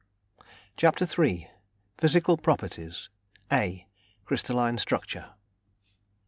CHAPTER III. PHYSICAL PROPERTIES. A CRYSTALLINE STRUCTURE.